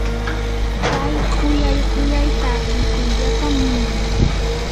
pay quyay quyay takikuyllatam munan.